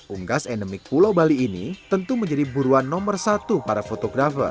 unggas endemik pulau bali ini tentu menjadi buruan nomor satu para fotografer